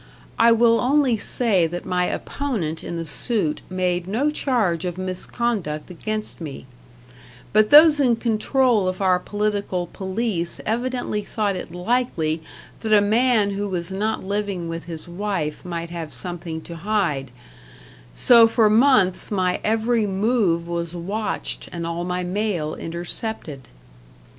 I will only say that my opponent in the suit made no charge of misconduct against me; but those in control of our political police evidently thought it likely that a man who was not living with his wife might have something to hide; so for months my every move was watched and all my mail intercepted.